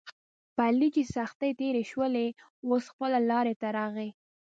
په علي چې سختې تېرې شولې اوس خپله لارې ته راغی.